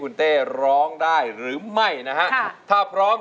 เดะไงเดี๋ยวย้วย